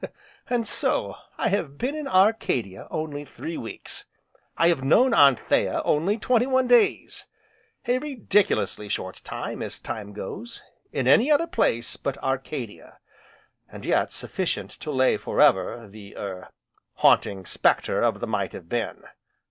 "And so, I have been in Arcadia only three weeks! I have known Anthea only twenty one days! A ridiculously short time, as time goes, in any other place but Arcadia, and yet sufficient to lay for ever, the er Haunting Spectre of the Might Have Been.